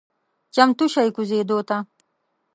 چمتو شئ کوزیدو ته…